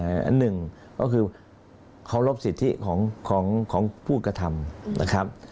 อันหนึ่งก็คือเคารพสิทธิของผู้กระทำนะครับ